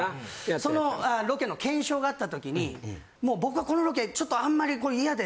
そのロケの検証があったときにもう僕はこのロケちょっとあんまり嫌で。